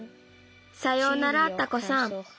さようならタコさん。